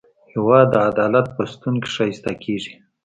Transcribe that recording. هېواد د عدالت په شتون ښایسته کېږي.